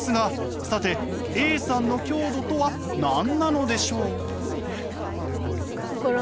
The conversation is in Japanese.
さてＡさんの強度とは何なのでしょう？